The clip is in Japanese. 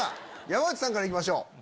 山内さんから行きましょう。